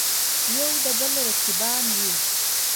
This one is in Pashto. یودبل رقیبان وي.